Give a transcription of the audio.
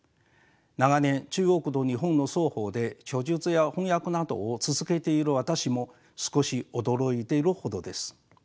長年中国と日本の双方で著述や翻訳などを続けている私も少し驚いているほどです。